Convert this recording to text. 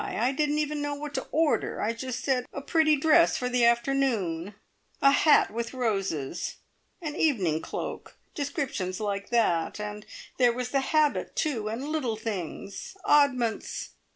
I didn't even know what to order. I just said, `A pretty dress for the afternoon.' `A hat with roses.' `An evening cloak.' Descriptions like that. And there was the habit, too, and little things oddments.